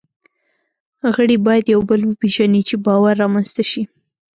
غړي باید یو بل وپېژني، چې باور رامنځ ته شي.